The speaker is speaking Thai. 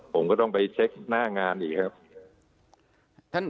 ผมก็ต้องไปเช็คหน้างานอีกครับ